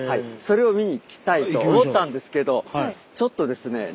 それを見にいきたいと思ったんですけどちょっとですね